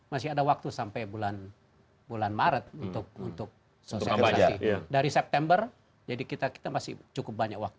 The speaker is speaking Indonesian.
masih ada waktu sampai bulan maret untuk sosialisasi dari september jadi kita masih cukup banyak waktu